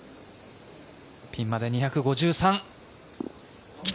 ピンまで２５３。来た！